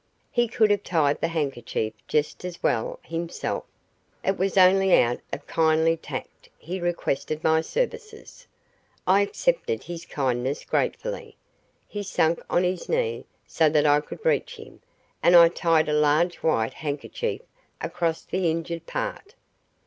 He could have tied the handkerchief just as well himself it was only out of kindly tact he requested my services. I accepted his kindness gratefully. He sank on his knee so that I could reach him, and I tied a large white handkerchief across the injured part.